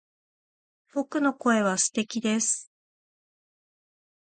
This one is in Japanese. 僕の声は素敵です